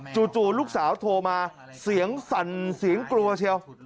จู่ลูกสาวโทรมาเสียงสั่นเสียงกลัวเชียว